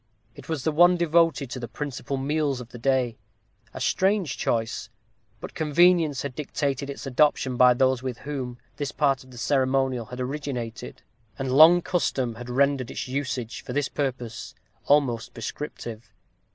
It was the one devoted to the principal meals of the day; a strange choice, but convenience had dictated its adoption by those with whom this part of the ceremonial had originated, and long custom had rendered its usage, for this purpose, almost prescriptive.